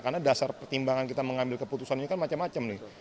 karena dasar pertimbangan kita mengambil keputusan ini kan macam macam nih